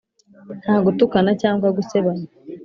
nta gutukana cyangwa gusebanya.